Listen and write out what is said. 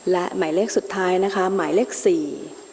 และหมายเลขสุดท้ายนะคะหมายเลขสี่